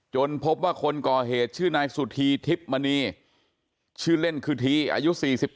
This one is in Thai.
พบว่าคนก่อเหตุชื่อนายสุธีทิพย์มณีชื่อเล่นคือทีอายุ๔๘